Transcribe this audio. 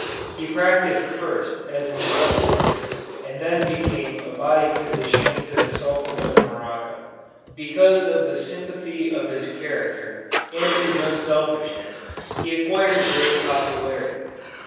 He practised first as an oculist and then became body physician to the Sultan of Morocco. Because of the sympathy of his character and his unselfishness he acquired great popularity.